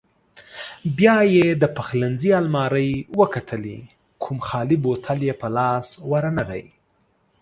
بیا یې د پخلنځي المارۍ وکتلې، کوم خالي بوتل یې په لاس ورنغی.